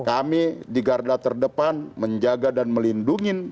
kami di garda terdepan menjaga dan melindungi